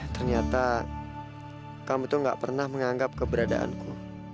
ternyata kamu tuh gak pernah menganggap keberadaanku